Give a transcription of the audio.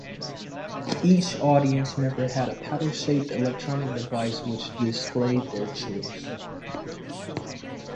Each audience member held a paddle-shaped electronic device which displayed their choice.